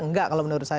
nggak kalau menurut saya